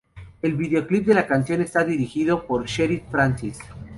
El videoclip de la canción está dirigido por Sherif Francis.